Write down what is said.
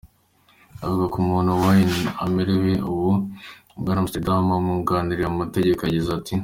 Avuga ku kuntu Wine amerewe ubu, Bwana Amsterdam umwunganira mu mategeko yagize ati:.